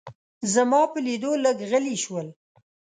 زما په لیدو لږ غلي شول.